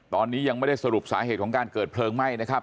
ตอนนี้ยังไม่ได้สรุปสาเหตุของการเกิดเพลิงไหม้นะครับ